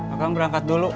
akang berangkat dulu